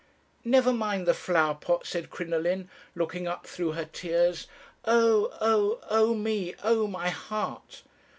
"'Never mind the flower pot,' said Crinoline, looking up through her tears. 'Oh! oh! oh! oh! me. Oh! my heart.'